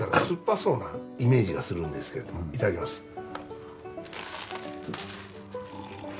すっぱそうなイメージがするんですけれどもいただきます。